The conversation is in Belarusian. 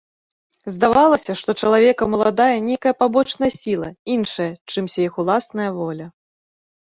Здавалася, што чалавекам уладае нейкая пабочная сіла, іншая, чымся іх уласная воля.